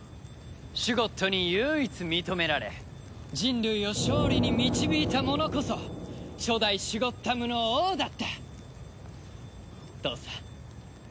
シュゴッドに唯一認められ人類を勝利に導いた者こそ初代シュゴッダムの王だった！とさ。